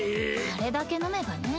あれだけ飲めばね。